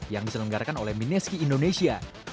yang diselenggarakan oleh mineski indonesia